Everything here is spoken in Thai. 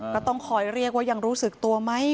ก็ต้องคอยเรียกว่ายังรู้สึกตัวไหม